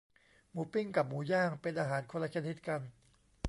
หมูปิ้ง กับหมูย่าง เป็นอาหารคนละชนิดกัน